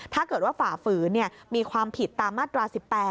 ถ้าเกิดว่าฝ่าฝืนมีความผิดตามมาตรา๑๘